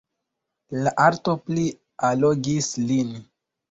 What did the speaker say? La arto pli allogis lin.